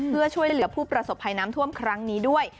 เพื่อช่วยเหลือผู้ประสบภัยน้ำท่วมครั้งนี้ด้วย